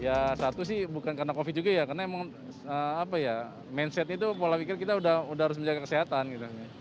ya satu sih bukan karena covid juga ya karena emang apa ya mindsetnya itu pola pikir kita udah harus menjaga kesehatan gitu